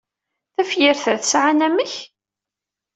Tafyirt-a tesɛa anamek?